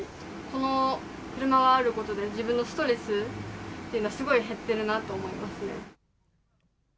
この車があることで自分のストレスというのは減ってるなと思いますね。